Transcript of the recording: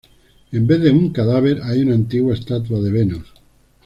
En vez de un cadáver, hay una antigua estatua de Venus.